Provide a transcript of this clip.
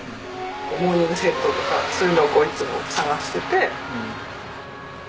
モーニングセットとかそういうのをいつも探してて。